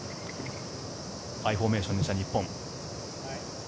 アイフォーメーションにした日本。